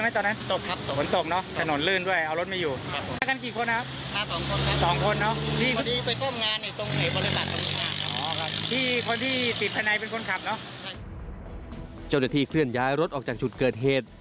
เจ้าหน้าที่เคลื่อนย้ายรถออกจากจุดเกิดเหตุ